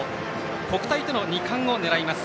国体との２冠を狙います。